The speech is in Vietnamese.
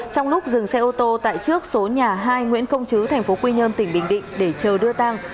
trong lúc dừng xe ô tô tại trước số nhà hai nguyễn công chứ tp quy nhơn tỉnh bình định để chờ đưa tang